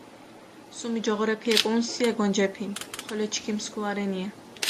სუმი ჯოღორეფი ეკოჸუნსია გონჩეფინ, ხოლო ჩქიმ სქუა რენია.